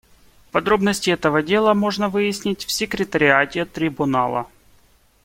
Подробности этого дела можно выяснить в Секретариате Трибунала.